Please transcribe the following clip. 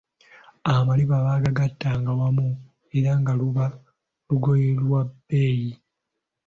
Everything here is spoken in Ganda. Amaliba baagagattanga wamu era nga luba lugoye lwa bbeeyi.